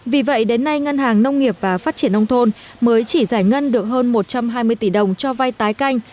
vì vậy đến nay ngân hàng nông nghiệp và phát triển nông thôn mới chỉ giải ngân được hơn một trăm hai mươi tỷ đồng cho vay tái canh